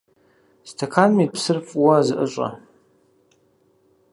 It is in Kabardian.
Стэканым ит псыр фӀыуэ зэӀыщӀэ.